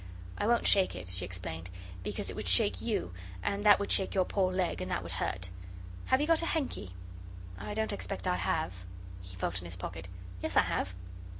"I won't shake it," she explained, "because it would shake YOU, and that would shake your poor leg, and that would hurt. Have you got a hanky?" "I don't expect I have." He felt in his pocket. "Yes, I have.